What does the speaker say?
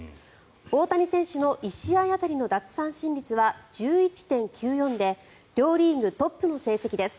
大谷選手の１試合当たりの奪三振率は１１．９４で両リーグトップの成績です。